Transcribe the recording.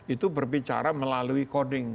itu berbicara melalui coding